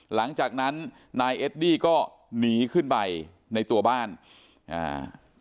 หลังจากนั้นนายเอดดี้ก็หนีขึ้นไปในตัวบ้านอ่า